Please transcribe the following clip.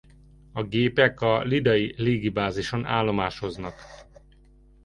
A gépek a lidai légibázison állomásoznak.